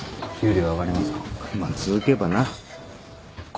まあ続けばな。